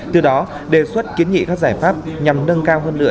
từ đó đề xuất kiến nghị các giải pháp nhằm nâng cao hơn nữa